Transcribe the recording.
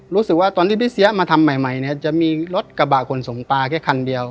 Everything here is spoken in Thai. รู้สึกว่าตอนที่พี่เสียมาทำใหม่เนี่ยจะมีรถกระบะขนส่งปลาแค่คันเดียว